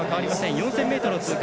４０００ｍ通過。